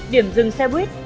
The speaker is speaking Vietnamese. điểm dừng xe buýt